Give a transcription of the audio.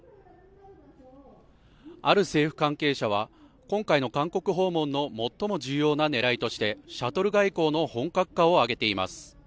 ある政府関係者は、今回の韓国訪問の最も重要な狙いとしてシャトル外交の本格化を挙げています。